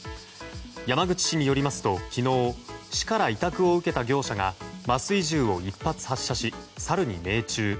山口市によりますと昨日、市から委託を受けた業者が麻酔銃を１発発射しサルに命中。